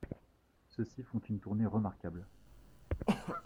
Ceux-ci font une tournée remarquable.